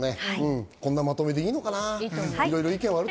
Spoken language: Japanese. こんなまとめでいいのかな？